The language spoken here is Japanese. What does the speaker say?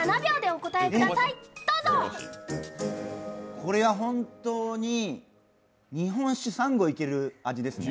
これは本当に日本酒３合いける味ですね。